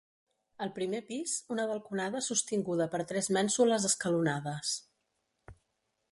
Al primer pis, una balconada sostinguda per tres mènsules escalonades.